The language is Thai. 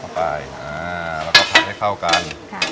เอาไปอ่าแล้วก็ผัดให้เข้ากัน